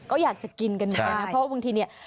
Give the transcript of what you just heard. ก็อยากจะกินกันเนี้ยใช่เพราะว่าบางทีเนี้ย